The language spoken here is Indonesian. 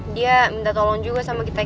dia minta tolong juga sama kita